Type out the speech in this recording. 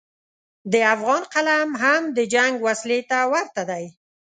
د افغان قلم هم د جنګ وسلې ته ورته دی.